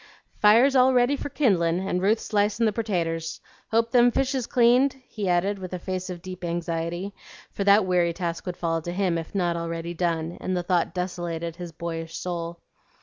"Fire's all ready for kindlin', and Ruth's slicin' the pertaters. Hope them fish is cleaned?" he added with a face of deep anxiety; for that weary task would fall to him if not already done, and the thought desolated his boyish soul.